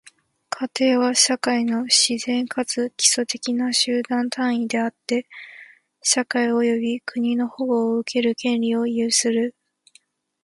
家庭は、社会の自然かつ基礎的な集団単位であって、社会及び国の保護を受ける権利を有する。